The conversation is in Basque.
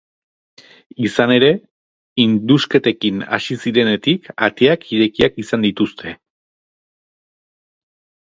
Izan ere, indusketekin hasi zirenetik ateak irekiak izan dituzte.